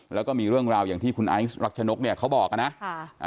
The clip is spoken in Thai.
แล้วก็มีเรื่องราวอย่างที่คุณไอซ์รักชนกเขาบอกนะ